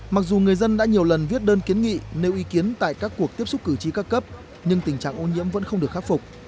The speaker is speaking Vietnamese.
mặc dù người dân đã nhiều lần viết đơn kiến nghị nếu ý kiến tại các cuộc tiếp xúc cử tri các cấp nhưng tình trạng ô nhiễm vẫn không được khắc phục